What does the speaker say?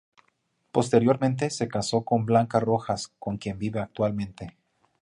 Posteriormente se casó con Blanca Rojas, con quien vive actualmente.